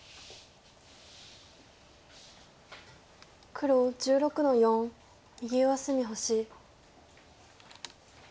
黒１６の四右上隅星。